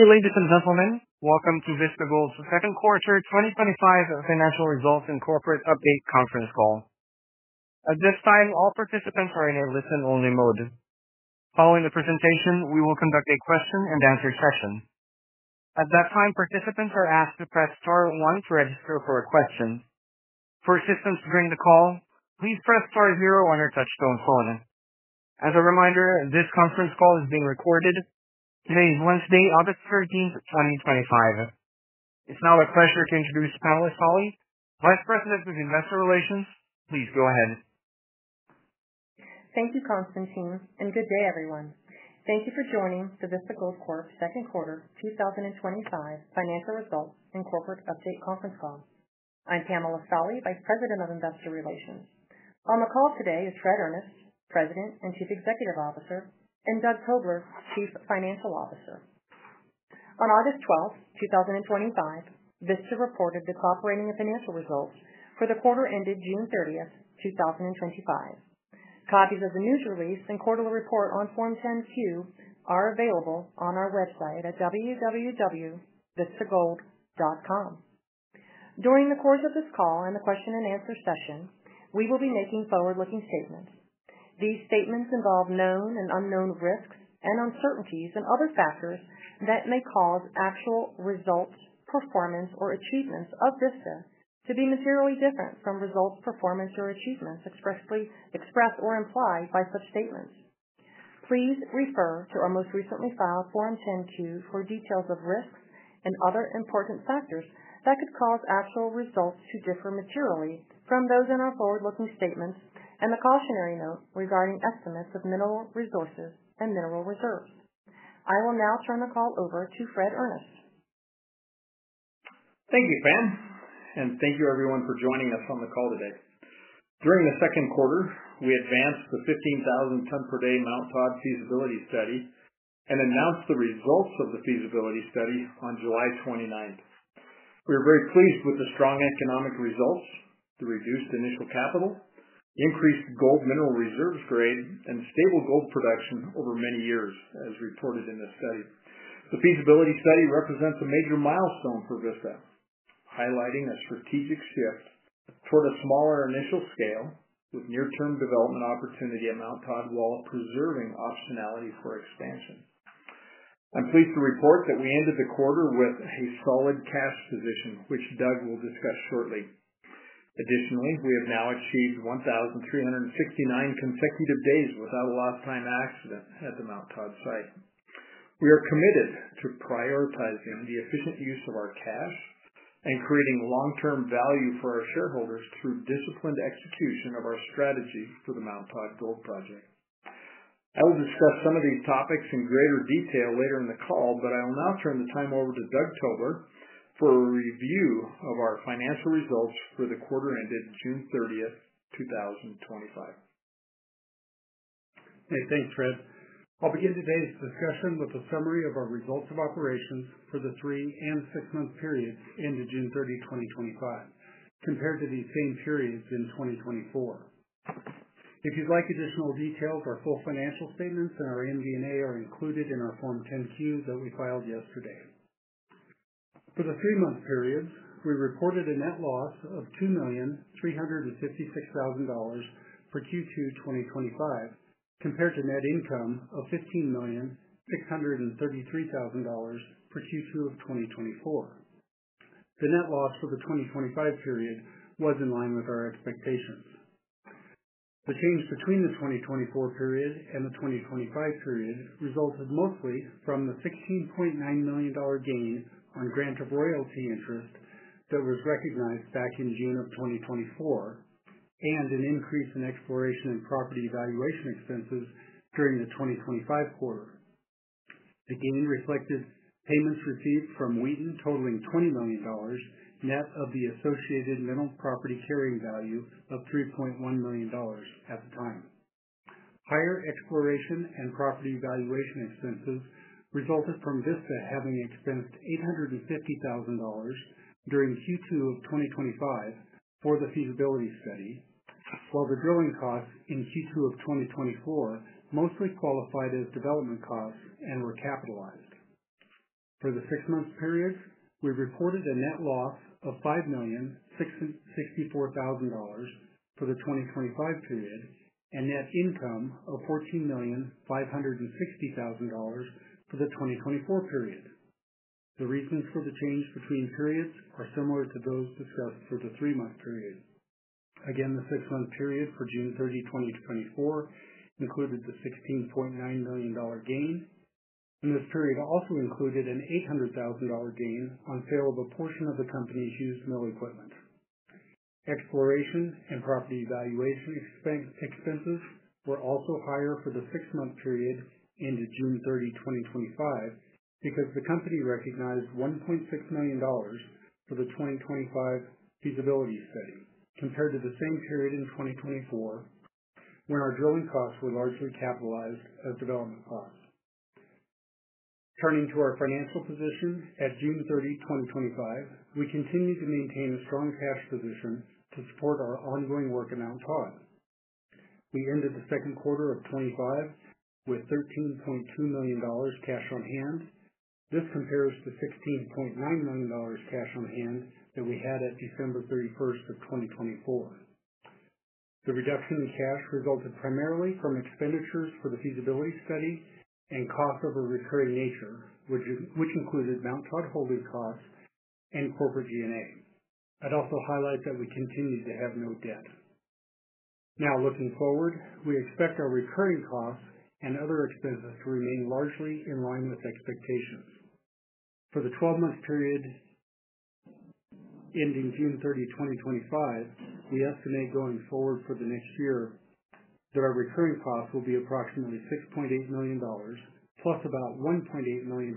Ladies and gentlemen, welcome to Vista Gold's Second Quarter 2025 Financial Results and Corporate Update Conference Call. At this time, all participants are in a listen-only mode. Following the presentation, we will conduct a question and answer session. At that time, participants are asked to press star one to register for a question. For assistance during the call, please press star zero on your touch-tone phone. As a reminder, this conference call is being recorded. Today is Wednesday, August 13th, 2025. It's now a pleasure to introduce Pamela Solly, Vice President of Investor Relations. Please go ahead. Thank you, Constantine, and good day, everyone. Thank you for joining the Vista Gold Corp. Second Quarter 2025 Financial Results and Corporate Update Conference Call. I'm Pamela Solly, Vice President of Investor Relations. On the call today is Fred Earnest, President and Chief Executive Officer, and Doug Tobler, Chief Financial Officer. On August 12th, 2025, Vista reported the corporate financial results for the quarter ended June 30th, 2025. Copies of the news release and quarterly report on Form 10-Q are available on our website at www.vistagold.com. During the course of this call and the question and answer session, we will be making forward-looking statements. These statements involve known and unknown risks and uncertainties and other factors that may cause actual results, performance, or achievements of Vista to be materially different from results, performance, or achievements expressed or implied by such statements. Please refer to our most recently filed Form 10-Q for details of risks and other important factors that could cause actual results to differ materially from those in our forward-looking statements and the cautionary note regarding estimates of mineral resources and mineral reserves. I will now turn the call over to Fred Earnest. Thank you, Pam, and thank you, everyone, for joining us on the call today. During the second quarter, we advanced the 15,000-ton per day Mt Todd feasibility study and announced the results of the feasibility study on July 29. We are very pleased with the strong economic results, the reduced initial capital, increased gold reserve grades, and stable gold production over many years, as reported in this study. The feasibility study represents a major milestone for Vista, highlighting a strategic shift toward a smaller initial scale with near-term development opportunity at Mt Todd while preserving optionality for expansion. I'm pleased to report that we ended the quarter with a solid cash position, which Doug will discuss shortly. Additionally, we have now achieved 1,369 consecutive days without a lost time accident at the Mt Todd site. We are committed to prioritizing the efficient use of our cash and creating long-term value for our shareholders through disciplined execution of our strategy for the Mt Todd Gold Project. I will discuss some of these topics in greater detail later in the call, but I will now turn the time over to Doug Tobler for a review of our financial results for the quarter ended June 30th, 2025. Thanks, Fred. I'll begin today's discussion with a summary of our results of operations for the three and six-month period ended June 30, 2025, compared to the same periods in 2024. If you'd like additional details, our full financial statements and our MD&A are included in our Form 10-Q that we filed yesterday. For the three-month period, we reported a net loss of $2,356,000 for Q2 2025, compared to a net income of $15,633,000 for Q2 of 2024. The net loss for the 2025 period was in line with our expectations. The change between the 2024 period and the 2025 period resulted mostly from the $16.9 million gain on grant of royalty interest that was recognized back in June of 2024, and an increase in exploration and property evaluation expenses during the 2025 quarter. The gain reflected payments received from Wheaton, totaling $20 million, net of the associated mineral property carrying value of $3.1 million at the time. Higher exploration and property evaluation expenses resulted from Vista Gold Corp. having expensed $850,000 during Q2 of 2025 for the feasibility study, while the drilling costs in Q2 of 2024 mostly qualified as development costs and were capitalized. For the six-month period, we recorded a net loss of $5,664,000 for the 2025 period and net income of $14,560,000 for the 2024 period. The reasons for the change between periods are similar to those discussed for the three-month period. Again, the six-month period for June 30, 2024, included the $16.9 million gain, and this period also included an $800,000 gain on sale of a portion of the company's used mill equipment. Exploration and property evaluation expenses were also higher for the six-month period ended June 30, 2025, because the company recognized $1.6 million for the 2025 feasibility study, compared to the same period in 2024, when our drilling costs were largely capitalized as development costs. Turning to our financial position at June 30, 2025, we continue to maintain a strong cash position to support our ongoing work at Mt Todd. We ended the second quarter of 2025 with $13.2 million cash on hand. This compares to $16.9 million cash on hand that we had at December 31st, 2024. The reduction in cash resulted primarily from expenditures for the feasibility study and costs of a recurring nature, which included Mt Todd holding costs and corporate G&A. I'd also highlight that we continue to have no debt. Now, looking forward, we expect our recurring costs and other expenses to remain largely in line with expectations. For the 12-month period ending June 30, 2025, the estimate going forward for the next year is that our recurring costs will be approximately $6.8 million, plus about $1.8 million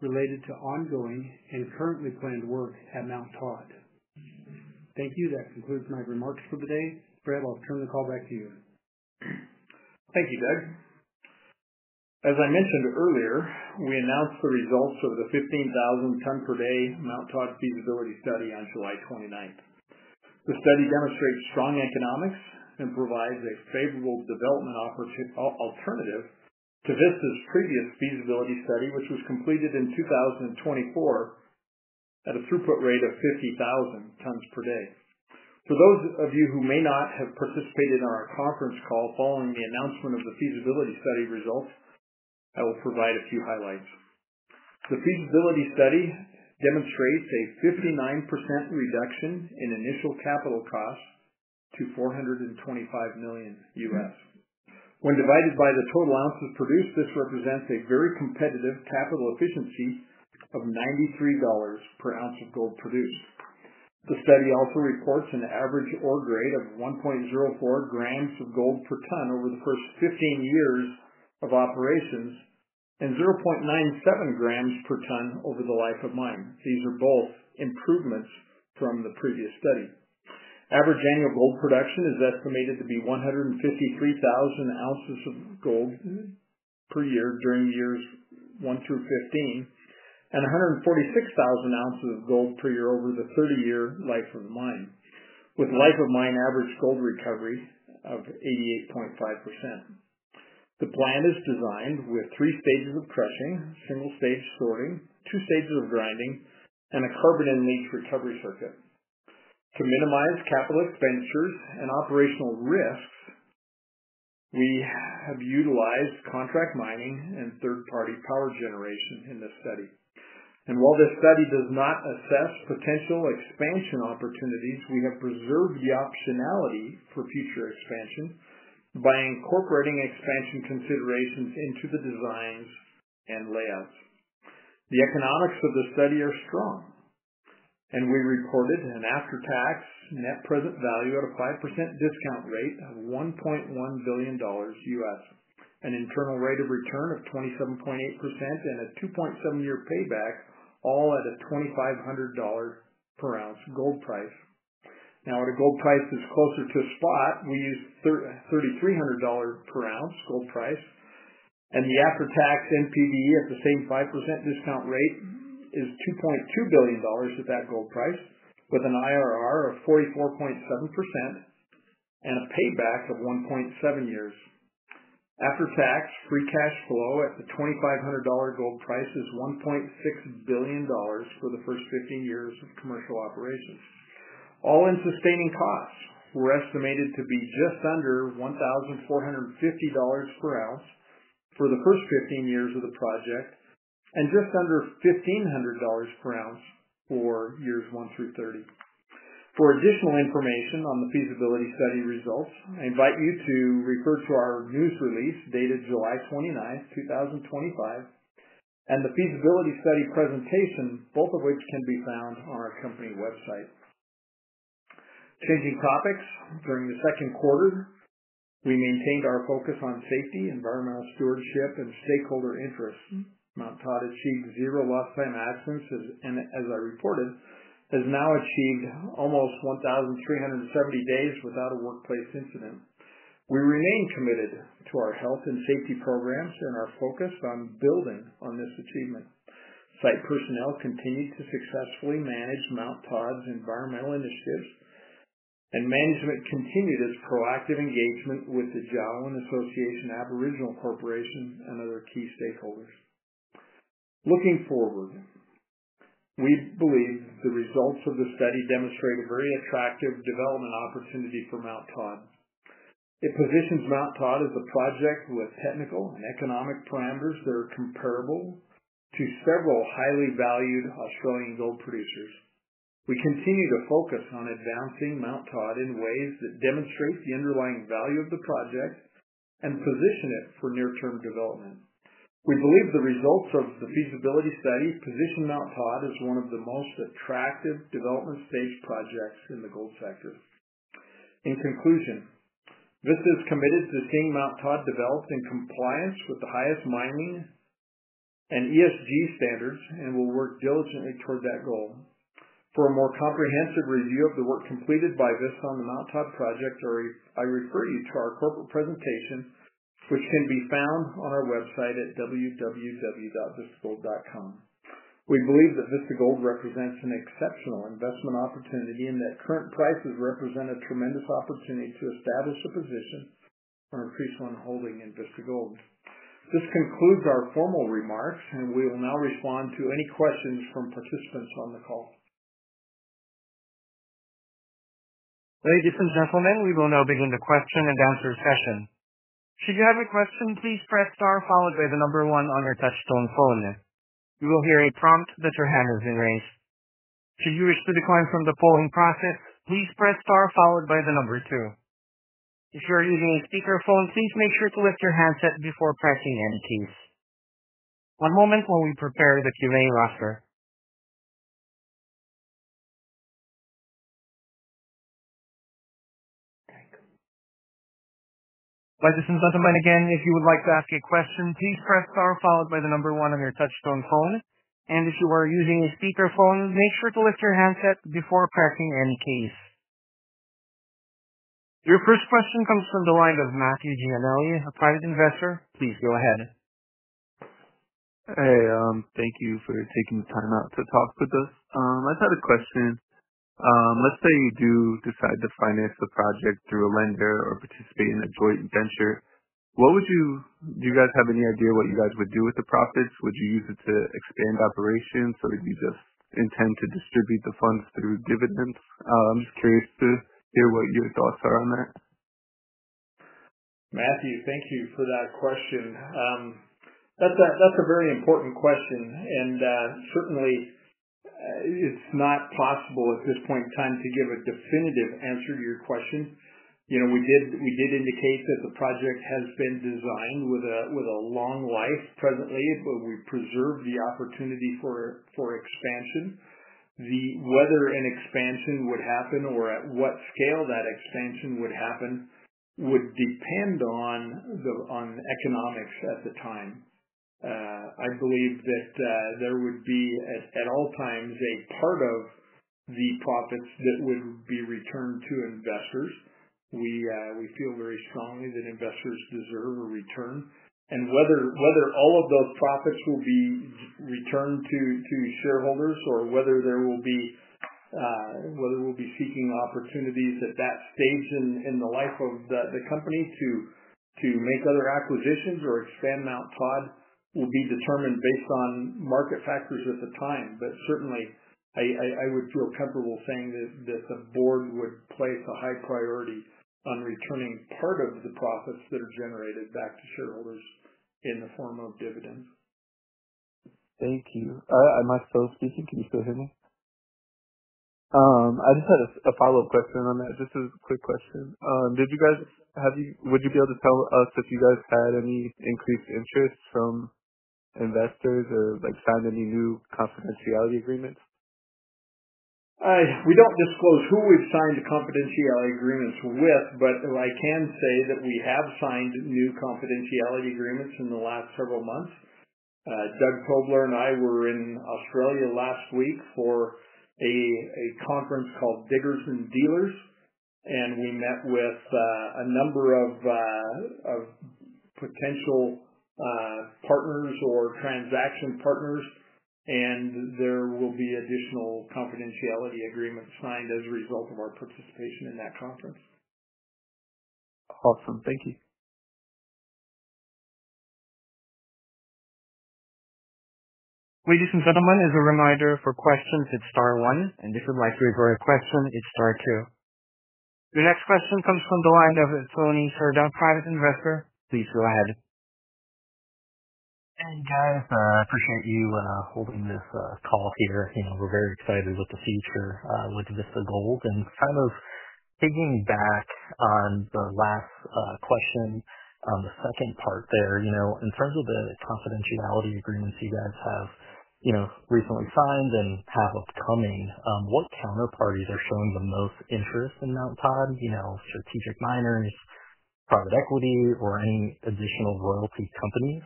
related to ongoing and currently planned work at Mt Todd. Thank you. That concludes my remarks for the day. Fred, I'll turn the call back to you. Thank you, Fred. As I mentioned earlier, we announced the results of the 15,000-ton per day Mt Todd feasibility study on July 29th. The study demonstrates strong economics and provides a favorable development alternative to Vista's previous feasibility study, which was completed in 2024 at a throughput rate of 50,000 tons per day. For those of you who may not have participated in our conference call following the announcement of the feasibility study results, I will provide a few highlights. The feasibility study demonstrates a 59% reduction in initial capital costs to $425 million. When divided by the total ounces produced, this represents a very competitive capital efficiency of $93 per ounce of gold produced. The study also reports an average ore grade of 1.04 g of gold per ton over the first 15 years of operations and 0.97 g per ton over the life of mine. These are both improvements from the previous studies. Average annual gold production is estimated to be 153,000 ounces of gold per year during the years 1 through 15 and 146,000 ounces of gold per year over the 30-year life of the mine, with life of mine average gold recovery of 88.5%. The plant is designed with three stages of pressing, single-stage sorting, two stages of grinding, and a carbon-in-take recovery circuit. To minimize capital expenditures and operational risks, we have utilized contract mining and third-party power generation in this study. While this study does not assess potential expansion opportunities, we have preserved the optionality for future expansion by incorporating expansion considerations into the designs and layouts. The economics of the study are strong, and we recorded an after-tax net present value at 5% discount rate of $1.1 billion, an internal rate of return of 27.8%, and a 2.7-year payback, all at a $2,500 per ounce gold price. At a gold price that's closer to spot, we use $3,300 per ounce gold price, and the after-tax NPV at the same discount rate is $2.2 billion at that gold price, with an IRR of 44.7% and a payback of 1.7 years. After-tax free cash flow at the $2,500 gold price is $1.6 billion for the first 15 years of commercial operations. All-in sustaining costs were estimated to be just under $1,450 per ounce for the first 15 years of the project and just under $1,500 per ounce for years 1 through 30. For additional information on the feasibility study results, I invite you to refer to our news release dated July 29th, 2025, and the feasibility study presentation, both of which can be found on our company website. Changing topics, during the second quarter, we maintained our focus on safety, environmental stewardship, and stakeholder interests. Mt Todd achieved zero lost time accidents, and as I reported, has now achieved almost 1,370 days without a workplace incident. We remain committed to our health and safety programs and are focused on building on this achievement. Site personnel continue to successfully manage Mt Todd's environmental initiatives, and management continued its proactive engagement with the Jawoyn Association Aboriginal Corporation and other key stakeholders. Looking forward, we believe the results of the study demonstrate a very attractive development opportunity for Mt Todd. It positions Mt Todd as a project with technical and economic parameters that are comparable to several highly valued Australian gold producers. We continue to focus on advancing Mt Todd in ways that demonstrate the underlying value of the project and position it for near-term development. We believe the results of the feasibility study position Mt Todd as one of the most attractive development-stage projects in the gold sector. In conclusion, Vista is committed to seeing Mt Todd developed in compliance with the highest mining and ESG standards and will work diligently toward that goal. For a more comprehensive review of the work completed by Vista on the Mt Todd project, I refer you to our corporate presentation, which can be found on our website at www.vistagold.com. We believe that Vista Gold represents an exceptional investment opportunity and that current prices represent a tremendous opportunity to establish a position or increase one's holding in Vista Gold. This concludes our formal remarks, and we will now respond to any questions from participants on the call. Ladies and gentlemen, we will now begin the question and answer session. Should you have any questions, please press star followed by the number one on your touchstone phone. You will hear a prompt that your hand has been raised. Should you wish to decline from the polling process, please press star followed by the number two. If you are using a speakerphone, please make sure to lift your hands up before pressing any keys. One moment while we prepare the Q&A roster. Ladies and gentlemen, again, if you would like to ask a question, please press star followed by the number one on your touchstone phone. If you are using a speakerphone, make sure to lift your hands up before pressing any keys. Your first question comes from the line of [Matthew Gianelli], a private investor. Please go ahead. Thank you for taking the time out to talk with us. I just had a question. Let's say you do decide to finance the project through a lender or participate in a joint venture. What would you do? Do you guys have any idea what you guys would do with the profits? Would you use it to expand operations or do you just intend to distribute the funds through dividends? I'm just curious to hear what your thoughts are on that. Matthew, thank you for that question. That's a very important question, and certainly, it's not possible at this point in time to give a definitive answer to your question. We did indicate that the project has been designed with a long life. Presently, it will preserve the opportunity for expansion. Whether an expansion would happen or at what scale that expansion would happen would depend on the economics at the time. I believe that there would be, at all times, a part of the profits that would be returned to investors. We feel very strongly that investors deserve a return. Whether all of those profits will be returned to shareholders or whether we'll be seeking opportunities at that stage in the life of the company to make other acquisitions or expand Mt Todd will be determined based on market factors at the time. I would feel comfortable saying that the board would place a high priority on returning part of the profits that are generated back to shareholders in the form of dividends. Thank you. Can you still hear me? I just had a follow-up question on that. This is a quick question. Would you be able to tell us if you had any increased interest from investors or signed any new confidentiality agreements? We don't disclose who we've signed the confidentiality agreements with, but I can say that we have signed new confidentiality agreements in the last several months. Doug Tobler and I were in Australia last week for a conference called Diggers and Dealers, and we met with a number of potential partners or transaction partners, and there will be additional confidentiality agreements signed as a result of our participation in that conference. Awesome. Thank you. Ladies and gentlemen, as a reminder, for questions, hit star one, and if you'd like to review your question, hit star two. Your next question comes from the line of [Tony Serdaun], private investor. Please go ahead. Hey guys, I appreciate you holding this call here. We're very excited about the future with Vista Gold. Kind of piggybacking on the last question, on the second part there, in terms of the confidentiality agreements you guys have recently signed and have upcoming, what counterparties are showing the most interest in the Mt Todd? Strategic miners, private equity, or any additional royalty companies?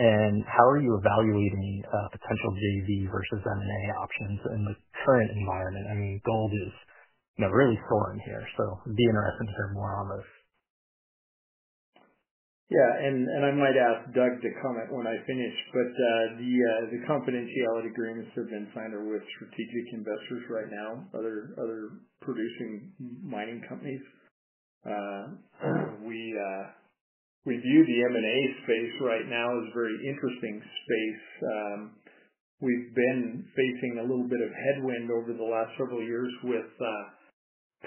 How are you evaluating potential joint ventures versus M&A options in the current environment? I mean, gold is really soaring here, so it'd be interesting to hear more on this. Yeah, and I might ask Doug to comment when I finish, but the confidentiality agreements have been signed with strategic investors right now, other producing mining companies. We view the M&A space right now as a very interesting space. We've been facing a little bit of headwind over the last several years with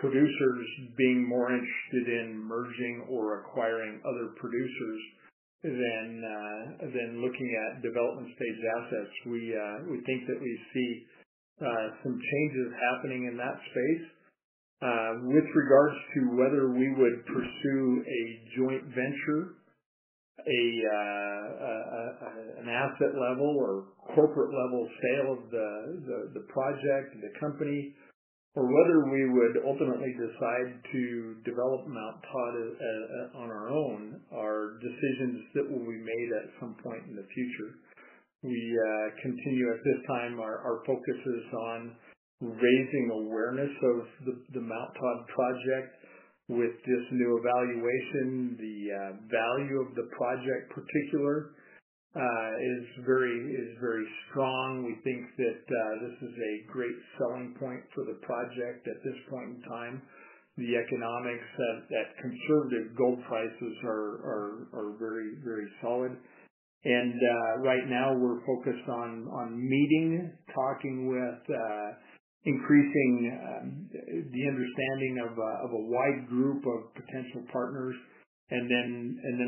producers being more interested in merging or acquiring other producers than looking at development-stage assets. We think that we see some changes happening in that space with regards to whether we would pursue a joint venture, an asset level or corporate level sale of the project and the company, or whether we would ultimately decide to develop Mt Todd on our own. Our decisions that will be made at some point in the future. At this time, our focus is on raising awareness of the Mt Todd project. With this new evaluation, the value of the project in particular is very strong. We think that this is a great selling point for the project at this point in time. The economics at conservative gold prices are very, very solid. Right now, we're focused on meeting, talking with, increasing the understanding of a wide group of potential partners.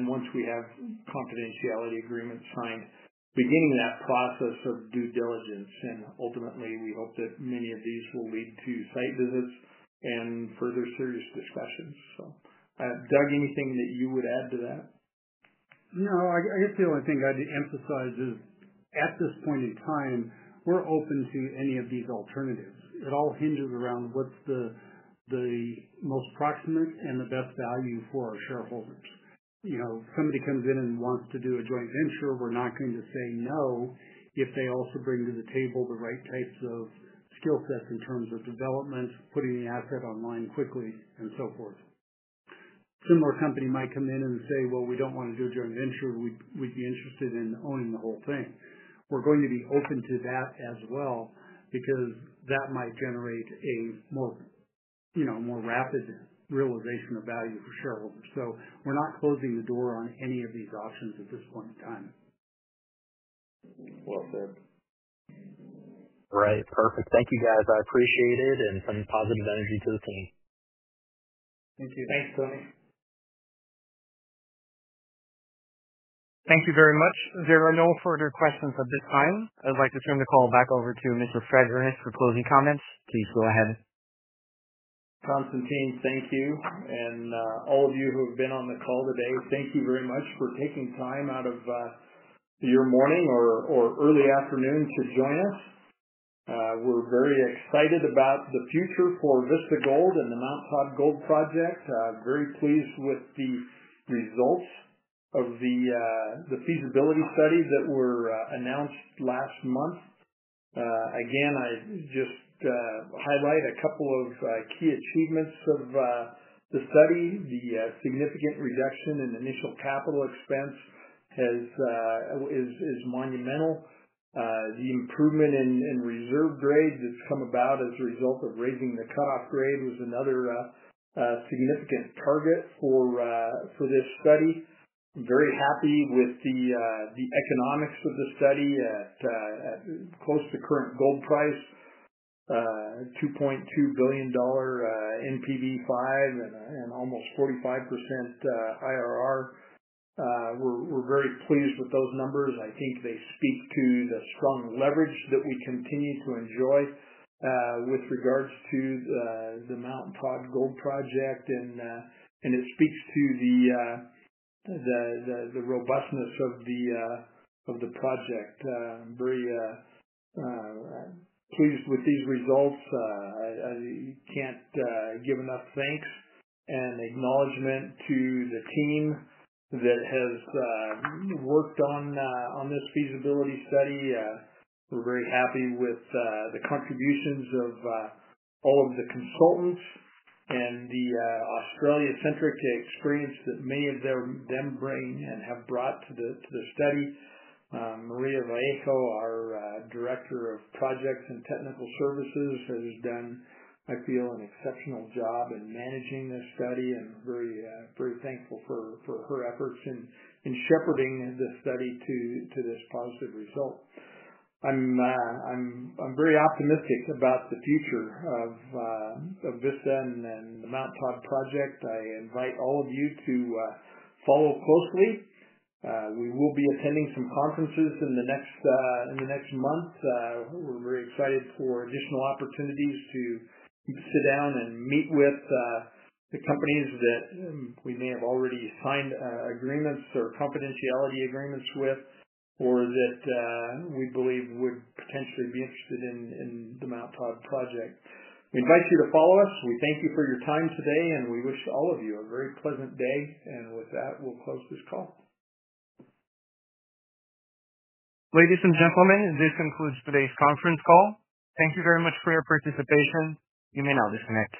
Once we have confidentiality agreements signed, beginning that process of due diligence. Ultimately, we hope that many of these will lead to site visits and further serious discussions. Doug, anything that you would add to that? I guess the only thing I'd emphasize is, at this point in time, we're open to any of these alternatives. It all hinges around what's the most proximate and the best value for our shareholders. You know, if somebody comes in and wants to do a joint venture, we're not going to say no if they also bring to the table the right types of skill sets in terms of development, putting the asset online quickly, and so forth. A similar company might come in and say, "We don't want to do a joint venture. We'd be interested in owning the whole thing." We're going to be open to that as well because that might generate a more rapid realization of value for shareholders. We're not closing the door on any of these options at this point in time. Well said. All right. Perfect. Thank you, guys. I appreciate it and send positive energy to the team. Thank you. Thanks, [Tony]. Thank you very much. If there are no further questions at this time, I'd like to turn the call back over to Mr. Frederick for closing comments. Please go ahead. Constantine, thank you. All of you who have been on the call today, thank you very much for taking time out of your morning or early afternoons to join us. We're very excited about the future for Vista Gold and the Mt Todd Gold Project. Very pleased with the results of the feasibility study that were announced last month. Again, I just highlight a couple of key achievements of the study. The significant reduction in initial capital expense is monumental. The improvement in gold reserve grades that's come about as a result of raising the cutoff grade was another significant target for this study. Very happy with the economics of the study at close to current gold price, $2.2 billion after-tax NPV (5%) and almost 45% IRR. We're very pleased with those numbers. I think they speak to the strong leverage that we continue to enjoy with regards to the Mt Todd Gold Project, and it speaks to the robustness of the project. I'm very pleased with these results. I can't give enough thanks and acknowledgment to the team that has worked on this feasibility study. We're very happy with the contributions of all of the consultants and the Australia-centric experience that many of them bring and have brought to this study. Maria Vallejo, our Director of Projects and Technical Services, has done, I feel, an exceptional job in managing this study. I'm very, very thankful for her efforts in shepherding this study to this positive result. I'm very optimistic about the future of Vista and the Mt Todd Project. I invite all of you to follow closely. We will be attending some conferences in the next month. We're very excited for additional opportunities to sit down and meet with the companies that we may have already signed agreements or confidentiality agreements with or that we believe would potentially be interested in the Mt Todd Project. We invite you to follow us. We thank you for your time today, and we wish all of you a very pleasant day. With that, we'll close this call. Ladies and gentlemen, this concludes today's conference call. Thank you very much for your participation. You may now disconnect.